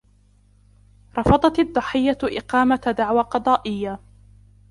رفضت الضحية إقامة دعوى قضائية.